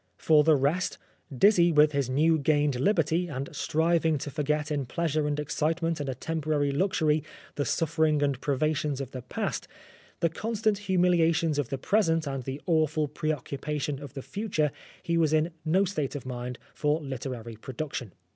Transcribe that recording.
For the rest, dizzy with his new gained liberty, and striving to forget in pleasure and excitement and a temporary luxury the suffering and privations of the past, the 241 16 Oscar Wilde constant humiliations of the present, and the awful preoccupation of the future, he was in no state of mind for literary production.